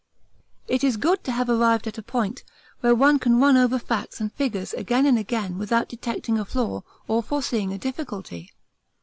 It is good to have arrived at a point where one can run over facts and figures again and again without detecting a flaw or foreseeing a difficulty.